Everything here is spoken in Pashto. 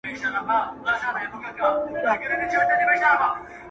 o حافظه يې ژوندۍ ساتي تل تل,